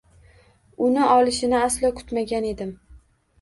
Uni olishini aslo kutmagan edim.